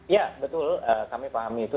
ya betul kami pahami itu